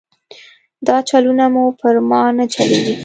دا چلونه مو پر ما نه چلېږي.